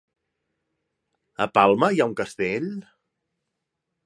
A Palma hi ha un castell?